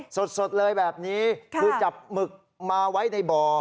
สดเลยแบบนี้คือจับหมึกมาไว้ในบ่อ